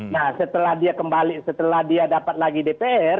nah setelah dia kembali setelah dia dapat lagi dpr